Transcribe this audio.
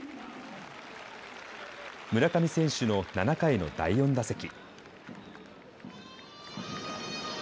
村上選手の７回の第４打席。